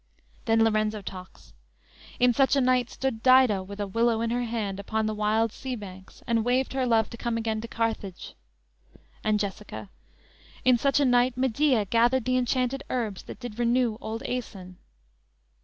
"_ Then Lorenzo talks: _"In such a night Stood Dido with a willow in her hand Upon the wild sea banks, and waved her love To come again to Carthage."_ And Jessica: _"In such a night Medea gathered the enchanted herbs That did renew old Aeson."